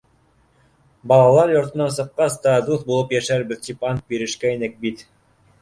Балалар йортонан сыҡҡас та, дуҫ булып йәшәрбеҙ тип ант бирешкәйнек бит.